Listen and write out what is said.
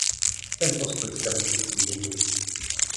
Ten postoj se musí změnit.